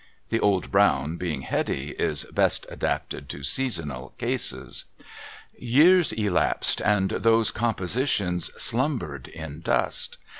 (The Old Brown, being heady, is best adapted to seasoned cases.) * Years elapsed, and those compositions slumbered in dust.